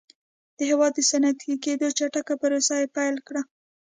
د هېواد د صنعتي کېدو چټکه پروسه یې پیل کړه